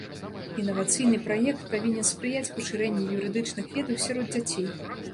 Інавацыйны праект павінен спрыяць пашырэнню юрыдычных ведаў сярод дзяцей.